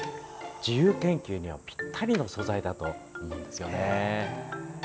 自由研究にはぴったりの素材だと思います。